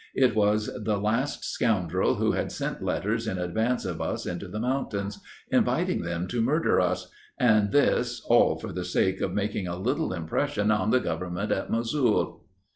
It was the last scoundrel who had sent letters in advance of us into the mountains, inviting them to murder us and this, all for the sake of making a little impression on the government at Mosul."